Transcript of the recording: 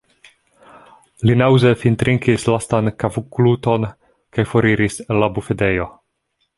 Li naŭze fintrinkis lastan kafgluton kaj foriris el la bufedejo.